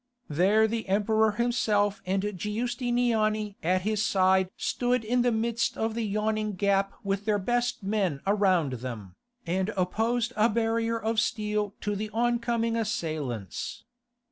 There the Emperor himself and Giustiniani at his side stood in the midst of the yawning gap with their best men around them, and opposed a barrier of steel to the oncoming assailants.